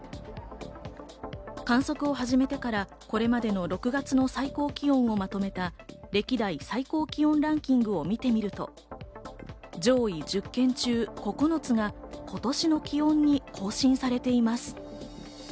観測を始めてからこれまでの６月の最高気温をまとめた歴代最高気温ランキングを見てみると、上位１０県中、９つが今年の気温に更新されています。